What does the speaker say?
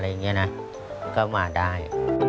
อย่างนี้นะก็มาได้